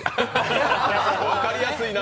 わかりやすいな！